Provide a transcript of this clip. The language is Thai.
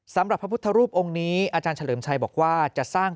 พระพุทธรูปองค์นี้อาจารย์เฉลิมชัยบอกว่าจะสร้าง